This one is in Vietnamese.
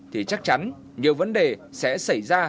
thì chắc chắn nhiều vấn đề sẽ xảy ra